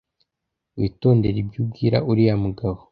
Witondere ibyo ubwira uriya mugabo .